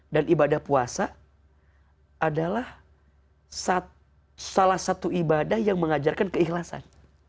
dan ibadah puasa adalah salah satu ibadah yang mengajarkan keikhlasan